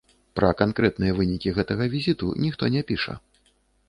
Пра канкрэтныя вынікі гэтага візіту ніхто не піша.